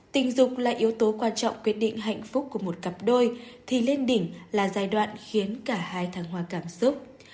tình dục là yếu tố quan trọng quyết định hạnh phúc của một cặp đôi thì lên đỉnh là giai đoạn khiến cả hai thăng hoa cảm xúc